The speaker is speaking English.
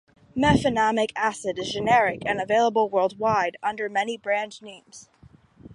Mefenamic acid is generic and is available worldwide under many brand names.